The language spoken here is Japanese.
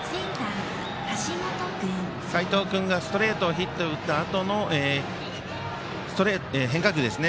齋藤君がストレートをヒット打ったあとの変化球ですね。